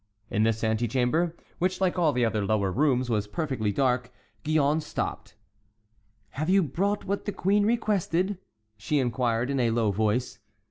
In this antechamber, which like all the other lower rooms was perfectly dark, Gillonne stopped. "Have you brought what the queen requested?" she inquired, in a low voice.